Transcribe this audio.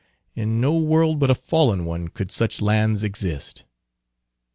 In no world but a fallen one could such lands exist.